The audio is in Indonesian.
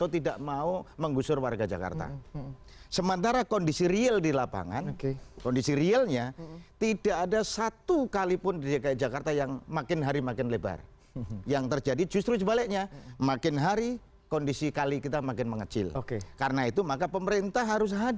terima kasih terima kasih